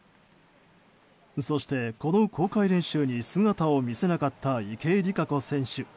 そして、この公開練習に姿を見せなかった池江璃花子選手。